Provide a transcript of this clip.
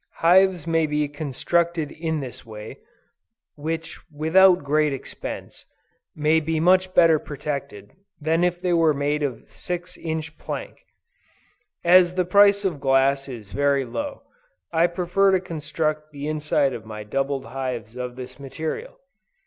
Hives may be constructed in this way, which without great expense, may be much better protected than if they were made of six inch plank. As the price of glass is very low, I prefer to construct the inside of my doubled hives of this material.